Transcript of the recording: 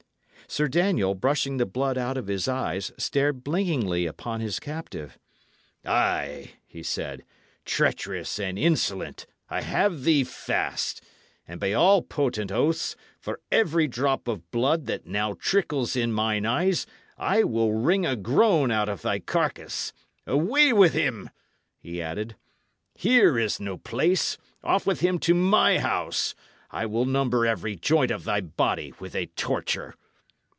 Sir Daniel, brushing the blood out of his eyes, stared blinkingly upon his captive. "Ay," he said, "treacherous and insolent, I have thee fast; and by all potent oaths, for every drop of blood that now trickles in mine eyes, I will wring a groan out of thy carcase. Away with him!" he added. "Here is no place! Off with him to my house. I will number every joint of thy body with a torture."